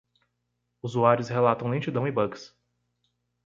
Usuários relatam lentidão e bugs